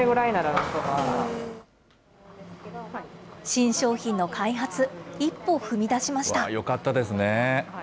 新商品の開発、一歩踏み出しました。